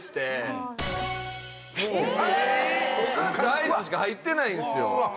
お菓子とアイスしか入ってないんすよ。